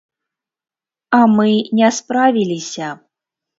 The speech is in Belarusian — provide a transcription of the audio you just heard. А мы не справіліся.